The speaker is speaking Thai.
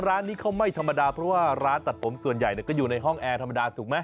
ร้านนี้เขาไม่ธรรมดาเพราะว่าร้านตัดผมส่วนใหญ่ก็อยู่ในห้องแอร์ธรรมดาถูกไหม